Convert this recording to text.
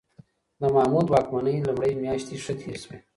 د محمود د واکمنۍ لومړۍ میاشتې ښه تېرې شوې.